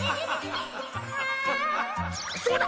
そうだ！